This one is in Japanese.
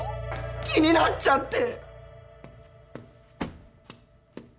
気になっちゃって！